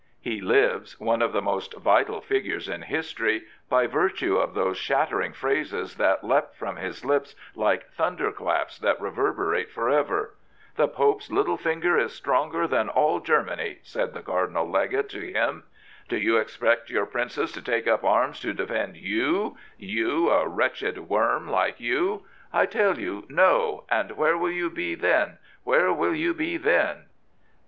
He lives, one of the most vital figures in history, by virtue of those shattering phrases that leapt from his lips like thunderclaps that reverberate for ever. " The Pope's little finger is stronger than aU Germany," said the Cardinal legate E I2S Prophets, Priests, and Kings to him. " Do you expect your princes to take up arms to defend you — you, a wretched worm like you ? I tell you, No! and where will you be then — ^where will you be then